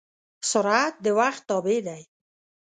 سرعت د وخت تابع دی.